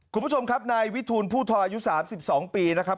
คุณผู้ชมครับนายวิทูลผู้ทออายุ๓๒ปีนะครับ